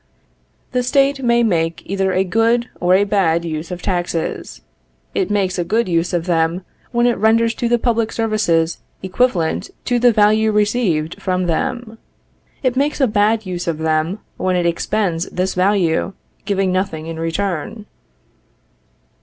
The State may make either a good or a bad use of taxes; it makes a good use of them when it renders to the public services equivalent to the value received from them; it makes a bad use of them when it expends this value, giving nothing in return.